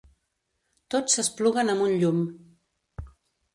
Tots s'espluguen amb un llum.